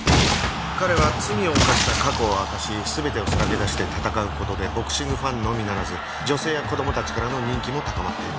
彼は罪を犯した過去を明かし全てをさらけ出して闘う事でボクシングファンのみならず女性や子供たちからの人気も高まっている。